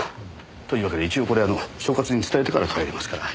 というわけで一応これあの所轄に伝えてから帰りますから。